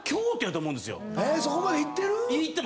そこまでいってる？